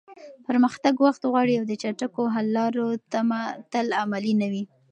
پرمختګ وخت غواړي او د چټکو حل لارو تمه تل عملي نه وي.